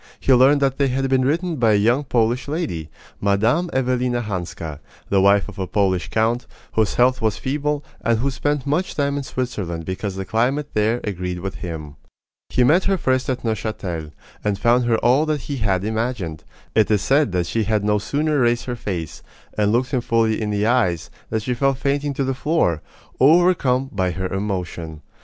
He learned that they had been written by a young Polish lady, Mme. Evelina Hanska, the wife of a Polish count, whose health was feeble, and who spent much time in Switzerland because the climate there agreed with him. He met her first at Neuchatel, and found her all that he had imagined. It is said that she had no sooner raised her face, and looked him fully in the eyes, than she fell fainting to the floor, overcome by her emotion.